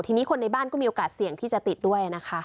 ทีนี้คนในบ้านก็มีโอกาสเสี่ยงที่จะติดด้วยนะคะ